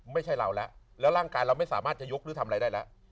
ไม่ใช่เราแล้วแล้วร่างกายเราไม่สามารถจะยกหรือทำอะไรได้แล้ว